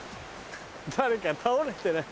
誰か倒れてない？